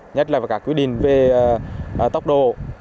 nhất là các quy định về tốc độ